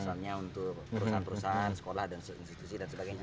misalnya untuk perusahaan perusahaan sekolah dan institusi dan sebagainya